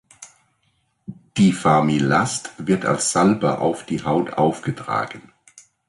Difamilast wird als Salbe auf die Haut aufgetragen.